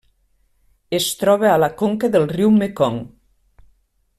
Es troba a la conca del riu Mekong.